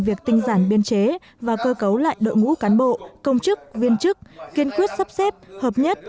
việc tinh giản biên chế và cơ cấu lại đội ngũ cán bộ công chức viên chức kiên quyết sắp xếp hợp nhất